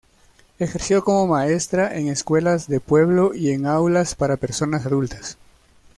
Ejerció como maestra en escuelas de pueblo y en aulas para personas adultas.